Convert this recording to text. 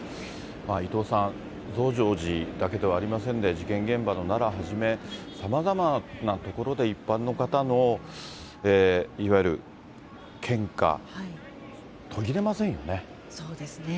伊藤さん、増上寺だけではありませんで、事件現場の奈良はじめ、さまざまなところで、一般の方のいわゆる献花、そうですね。